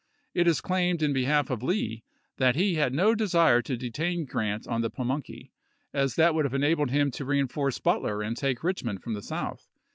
It is claimed in behalf of Lee that he had no desire to detain Grant on the Pamunkey, as that would have enabled him to reenforce Butler and take Richmond from the South.